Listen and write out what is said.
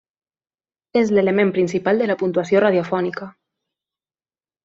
És l'element principal de la puntuació radiofònica.